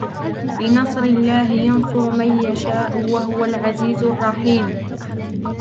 بِنَصْرِ اللَّهِ يَنْصُرُ مَنْ يَشَاءُ وَهُوَ الْعَزِيزُ الرَّحِيمُ